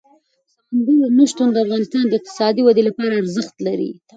سمندر نه شتون د افغانستان د اقتصادي ودې لپاره ارزښت لري.